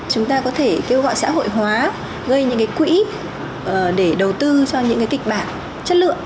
chúng ta có thể kêu gọi xã hội hóa gây những quỹ để đầu tư cho những kịch bản chất lượng